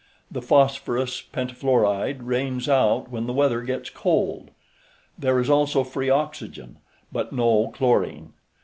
The phosphorous pentafluoride rains out when the weather gets cold. There is also free oxygen, but no chlorine.